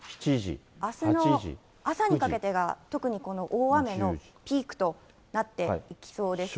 あすの朝にかけてが特にこの大雨のピークとなっていきそうです。